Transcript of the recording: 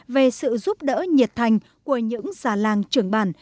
về sự giúp đỡ nhiệt thành của những sa lan trưởng bàn